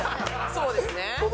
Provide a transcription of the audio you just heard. そうですね。